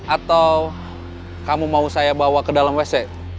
atau kamu mau saya bawa ke dalam wc